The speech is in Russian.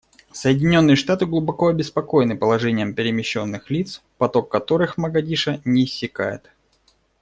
Соединенные Штаты глубоко обеспокоены положением перемещенных лиц, поток которых в Могадишо не иссякает.